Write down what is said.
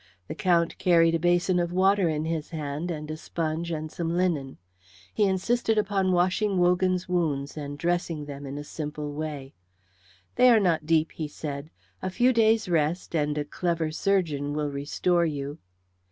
The Count carried a basin of water in his hand and a sponge and some linen. He insisted upon washing Wogan's wounds and dressing them in a simple way. "They are not deep," he said; "a few days' rest and a clever surgeon will restore you."